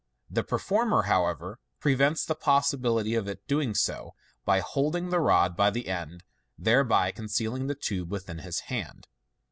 The performer, however, prevents the possibility of its doing so, by holding the rod by that end, thereby concealing the tube with his hand.